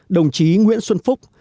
đồng chí nguyễn xuân phúc